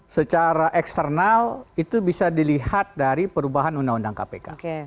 secara eksternal itu bisa dilihat dari perubahan undang undang kpk